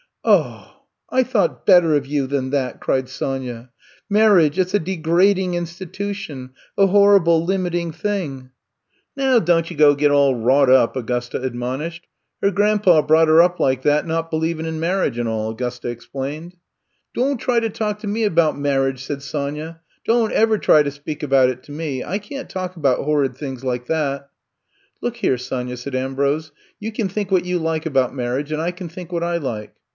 ''Oh, I thought better of you than that, '' cried Sonya. Marriage, it 's a degrading institution, a horrible limiting thing I '' 68 I'VE COME TO STAY '*Now, don^t you go get all wrought up/' Augusta admonished. Her gran^paw brought her up like that not believin' in marriage an' all,'' Augusta explained. Don't try to talk to me about mar riage," said Sonya. Don't ever try to speak about it to me. I can't talk about horrid things like that. '' Look here, Sonya," said Ambrose, you can think what you like about mar riage and I can think what I like."